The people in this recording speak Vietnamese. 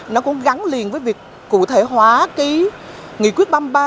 nó cũng gắn liền với việc cụ thể hóa cái nghị quyết ba mươi ba